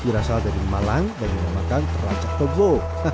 berasal dari malang dan dinamakan terlacak togo